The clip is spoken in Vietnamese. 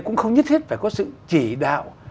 cũng không nhất thiết phải có sự chỉ đạo